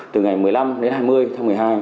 từ ngày một mươi năm đến hai mươi tháng một mươi hai